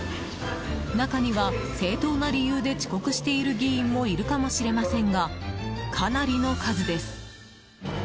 中には、正当な理由で遅刻している議員もいるかもしれませんがかなりの数です。